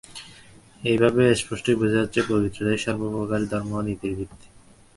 এইভাবে স্পষ্টই বোঝা যাচ্ছে, পবিত্রতাই সর্বপ্রকার ধর্ম ও নীতির ভিত্তি।